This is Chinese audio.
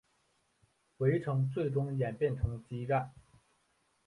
围城最终演变成激战。